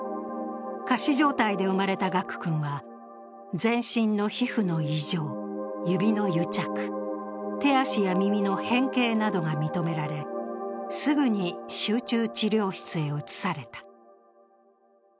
仮死状態で生まれた賀久君は全身の皮膚の異常指の癒着、手足や耳の変形などが認められ、すぐに集中治療室へ移された。